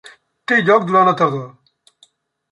Té lloc durant la tardor.